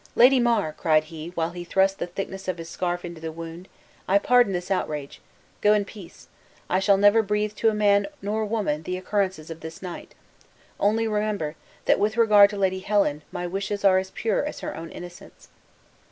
"Lady Mar," cried he, while he thrust the thickness of his scarf into the wound, "I pardon this outrage. Go in peace, I shall never breathe to man nor woman the occurrences of this night. Only remember, that with regard to Lady Helen, my wishes are as pure as her own innocence."